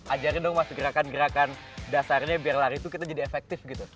ajarin dong mas gerakan gerakan dasarnya biar lari itu kita jadi efektif gitu